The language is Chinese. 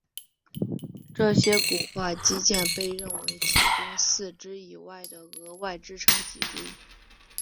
这些骨化肌腱被认为提供四肢以外的额外支撑脊椎。